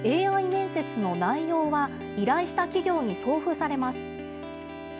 ＡＩ面接の内容は、依頼した企業に送付されます。